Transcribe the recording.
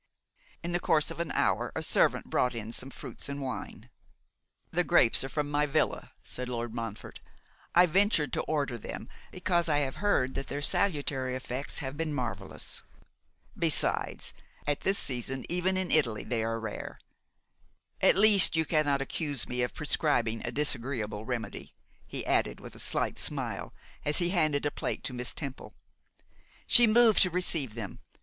In the course of an hour a servant brought in some fruits and wine. 'The grapes are from my villa,' said Lord Montfort. 'I ventured to order them, because I have heard their salutary effects have been marvellous. Besides, at this season, even in Italy they are rare. At least \ you cannot accuse me of prescribing a disagreeable remedy,' he added with a slight smile, as he handed a plate to Miss Temple. She moved to receive them.